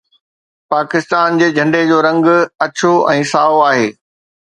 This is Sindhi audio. پاڪستان جي جهنڊي جو رنگ اڇو ۽ سائو آهي.